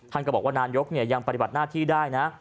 ท่านก็บอกว่านายกยังปฏิบัติหน้าที่ได้นะ